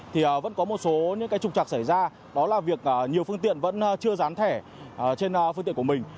thì vẫn có một số những trục trặc xảy ra đó là việc nhiều phương tiện vẫn chưa rán thẻ trên phương tiện của mình